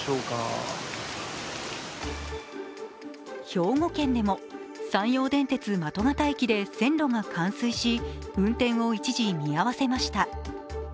兵庫県でも山陽電鉄、的形駅で線路が冠水し運転を一時見合わせました。